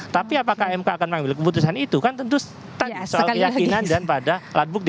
tapi apakah mk akan mengambil keputusan itu kan tentu soal keyakinan dan pada alat bukti